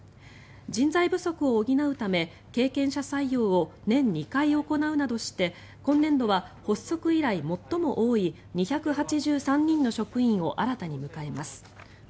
人材不足を補うため経験者採用を年２回行うなどして今年度は発足以来最も多い２８３人の職員を新たに迎えます。